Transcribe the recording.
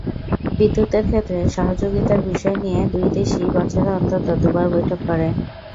বিদ্যুতের ক্ষেত্রে সহযোগিতার বিষয় নিয়ে দুই দেশই বছরে অন্তত দুবার বৈঠক করে।